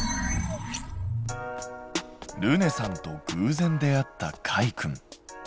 ルネさんとぐうぜん出会ったかいくん。